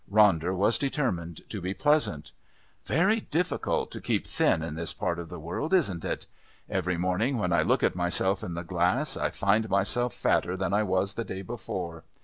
Ronder was determined to be pleasant. "Very difficult to keep thin in this part of the world, isn't it? Every morning when I look at myself in the glass I find myself fatter than I was the day before.